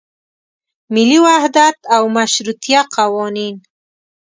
ملي وحدت او مشروطیه قوانین.